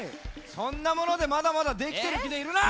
そんなものでまだまだできてるきでいるな！